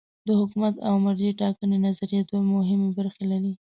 د حاکمیت او مرجع ټاکنې نظریه دوه مهمې برخې لري.